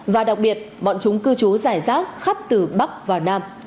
và đặc biệt bọn chúng cư chú giải giác khắp từ bắc và nam